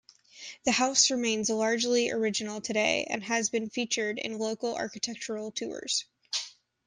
The house remains largely original today and has been featured in local architectural tours.